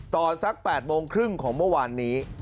ตอนสัก๘โมงครึ่งของเมื่อวานนี้